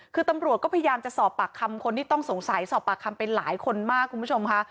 คือตำรวจก็พยายามจะสอบปากคำคนที่ต้องสงสัยสอบปากคำไปหลายคนมากคุณผู้ชมค่ะ